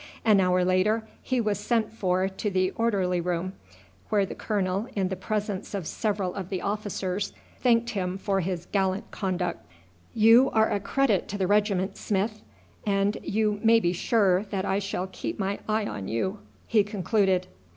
An hour later he was sent for to the orderly room, where the colonel in the presence of several of the officers thanked him for his gallant conduct. "You are a credit to the regiment, Smith; and you may be sure that I shall keep my eye on you," he concluded.